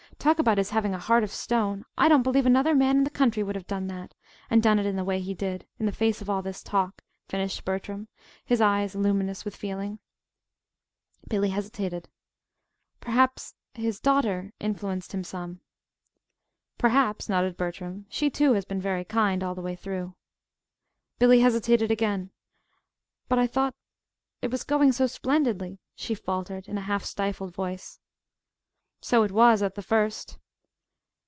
talk about his having a 'heart of stone'! I don't believe another man in the country would have done that and done it in the way he did in the face of all this talk," finished Bertram, his eyes luminous with feeling. Billy hesitated. "Perhaps his daughter influenced him some." "Perhaps," nodded Bertram. "She, too, has been very kind, all the way through." Billy hesitated again. "But I thought it was going so splendidly," she faltered, in a half stifled voice. "So it was at the first."